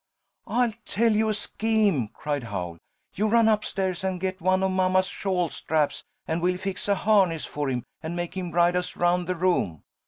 "I'll tell you a scheme," cried Howl; "you run up stairs and get one of mamma's shawl straps, and we'll fix a harness for him, and make him ride us around the room."